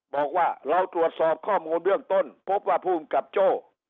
บอกว่าเราตรวจสอบข้อมูลเบื้องต้นพบว่าภูมิกับโจ้